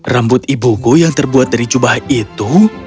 rambut ibuku yang terbuat dari jubah itu